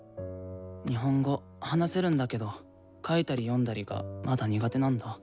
日本語話せるんだけど書いたり読んだりがまだ苦手なんだ。